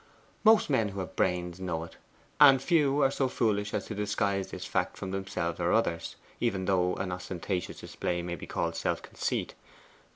Most men who have brains know it, and few are so foolish as to disguise this fact from themselves or others, even though an ostentatious display may be called self conceit.